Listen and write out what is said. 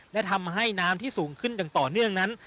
และทำให้น้ำที่สูงขึ้นอย่างต่อเนื่องนั้น